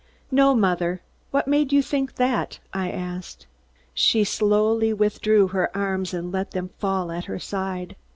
"No, mother. What made you think that?" I asked. She slowly withdrew her arms and let them fall at her side.